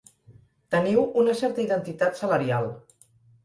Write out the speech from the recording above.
Teniu una certa identitat salarial.